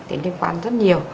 đến liên quan rất nhiều